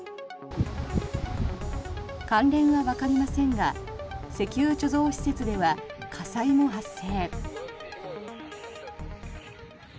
関連はわかりませんが石油貯蔵施設では火災も発生。